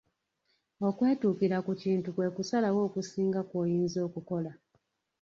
Okwetuukira ku kintu kwe kusalawo okusinga kw'oyinza okukola.